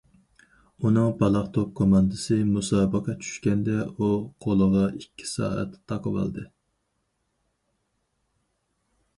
ئۇنىڭ پالاق توپ كوماندىسى مۇسابىقە چۈشكەندە ئۇ قولىغا ئىككى سائەت تاقىۋالىدۇ.